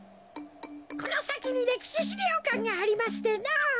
このさきにれきししりょうかんがありましてのぉ。